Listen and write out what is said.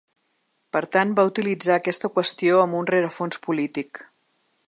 Per tant, va utilitzar aquesta qüestió amb un rerefons polític.